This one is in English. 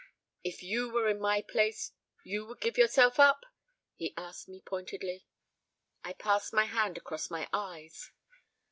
"If you were in my place you would give yourself up?" he asked me pointedly. I passed my hand across my eyes.